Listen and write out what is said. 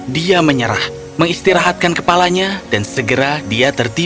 dia menyerah mengistirahatkan kepalanya dan segera dia tertipu